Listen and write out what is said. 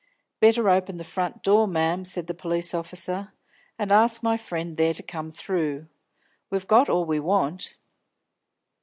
"Better open the front door, ma'am," said the police officer, "and ask my friend there to come through. We've got all we want."